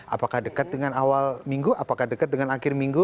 apakah dekat dengan awal minggu apakah dekat dengan akhir minggu